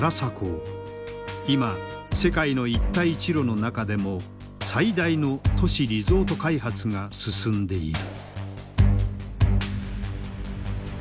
今世界の一帯一路の中でも最大の都市リゾート開発が進んでいる。